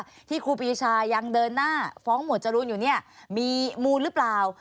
ที่ครูปีชายังเดินหน้าฟ้องหมวดจรูนอยู่เนี่ยมีมูลหรือเปล่า